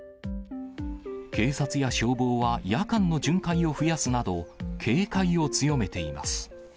警察や消防は夜間の巡回を増やすなど、警戒を強めています。